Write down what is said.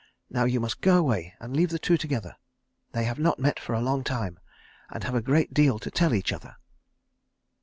Now you must go away and leave the two together. They have not met for a long time, and have a great deal to tell each other."